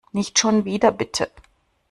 Nicht schon wieder, bitte.